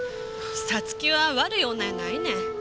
五月は悪い女やないねん。